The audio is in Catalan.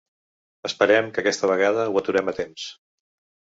Esperem que aquesta vegada ho aturem a temps.